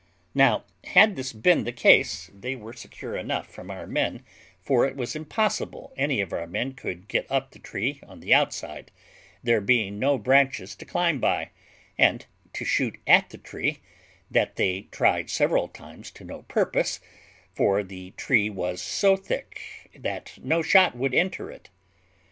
Now, had this been the case, they were secure enough from our men, for it was impossible any of our men could get up the tree on the outside, there being no branches to climb by; and, to shoot at the tree, that they tried several times to no purpose, for the tree was so thick that no shot would enter it.